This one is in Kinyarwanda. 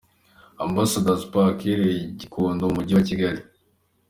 Ambassador’s Park iherereye i Gikondo mu mujyi wa Kigali.